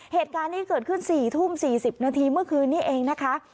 เหตุการณ์นี้เกิดขึ้น๔ทุ่ม๔๐นาทีเมื่อคืนนี้เองนะคะ